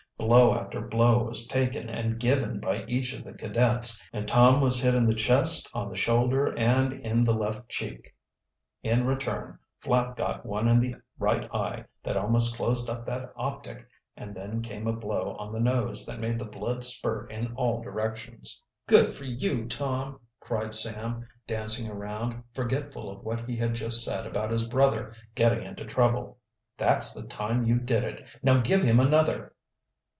Blow after blow was taken and given by each of the cadets, and Tom was hit in the chest, on the shoulder, and in the left cheek. In return Flapp got one in the right eye that almost closed up that optic and then came a blow on the nose that made the blood spurt in all directions. "Good for you, Tom!" cried Sam, dancing around, forgetful of what he had just said about his brother getting into trouble. "That's the time you did it. Now give him another!"